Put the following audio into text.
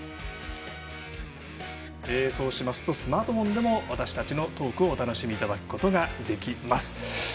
そうしますとスマートフォンでも私たちのトークをお楽しみいただくことができます。